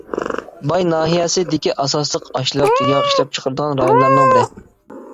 باي ناھىيەسى دىكى ئاساسلىق ئاشلىق، ياغ ئىشلەپچىقىرىدىغان رايونلارنىڭ بىرى.